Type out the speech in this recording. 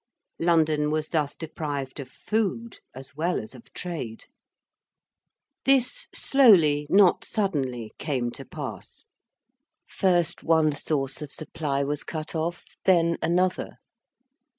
London was thus deprived of food as well as of trade. This slowly, not suddenly, came to pass. First, one source of supply was cut off, then another.